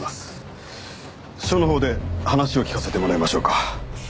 署のほうで話を聞かせてもらいましょうか。